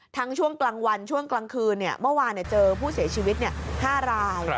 ช่วงกลางวันช่วงกลางคืนเมื่อวานเจอผู้เสียชีวิต๕ราย